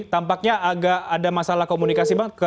tampaknya agak ada masalah komunikasi bang